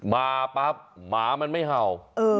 มาปั๊บหมามันไม่เห่า